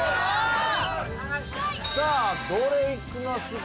さあどれいきますか？